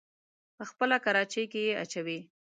په خپله کراچۍ کې يې اچوي.